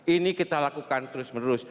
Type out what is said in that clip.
ini kita lakukan terus menerus